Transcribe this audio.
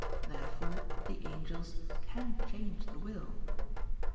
Therefore the angels can change the will.